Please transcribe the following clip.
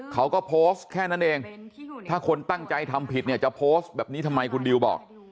เขาก็โพสต์แค่นั้นเองถ้าคนตั้งใจทำผิดเนี่ยจะโพสต์แบบนี้ทำไมคุณดิวบอก